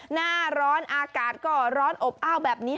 หน้าร้อนอากาศก็ร้อนอบอ้าวแบบนี้